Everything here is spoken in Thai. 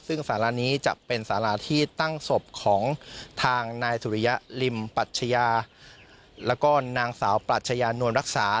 ซึ่งสาระนี้จะเป็นสาราที่ตั้งศพของทางนายสุริยะริมปัชยาแล้วก็นางสาวปรัชญานวลรักษา